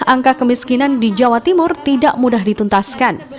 angka kemiskinan di jawa timur tidak mudah dituntaskan